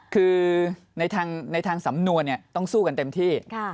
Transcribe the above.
คือในทางสำนวนต้องสู้กันเต็มที่